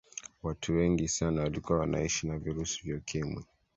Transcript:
watu wengi sana walikuwa wanaishi na virusi vya ukimwi